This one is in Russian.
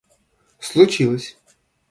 случилось